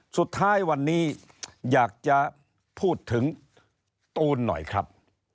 สุดท้ายวันนี้อยากจะพูดถึงตูนหน่อยครับ